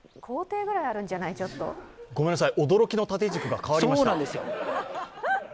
ごめんなさい、驚きの縦軸が変わりました。